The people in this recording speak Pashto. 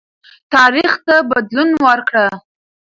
تاریخ ته بدلون ورکړه.